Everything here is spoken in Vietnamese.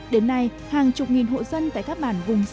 đến nay hàng chục nghìn hộ dân tại các bản vùng sâu vùng xa